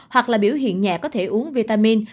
hoặc là biểu hiện nhẹ có thể uống vitamin